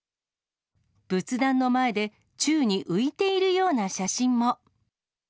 仏壇の前で宙に浮いているような写真も。